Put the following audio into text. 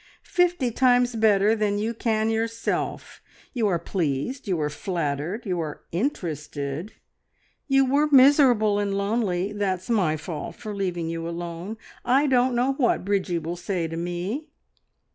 Fifty times better than you can yourself. You are pleased, you are flattered, you are interested. You were miserable and lonely, (that's my fault, for leaving you alone. I don't know what Bridgie will say to me!)